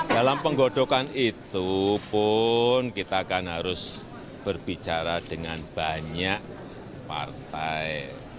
dalam penggodokan itu pun kita akan harus berbicara dengan banyak partai